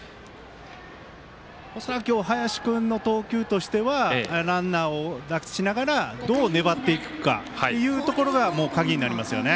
恐らく今日、林君の投球としてはランナーを出しながらどう粘っていくかというところが鍵になりますよね。